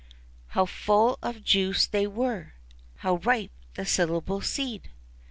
How full of juice they were ! How ripe the syllable seed!